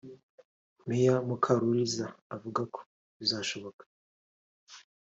Meya Mukaruliza avuga ko bizashoboka